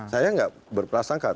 saya nggak berperasaan sangka